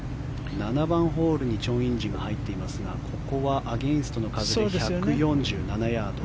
７番ホールにチョン・インジが入っていますがここはアゲンストの風で１４７ヤード。